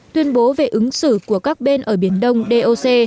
tuyên bố về ứng xử của các bên ở biển đông doc